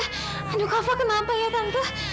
aduh kava kenapa ya tanpa